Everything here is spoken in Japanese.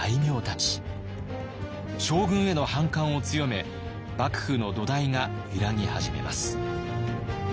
将軍への反感を強め幕府の土台が揺らぎ始めます。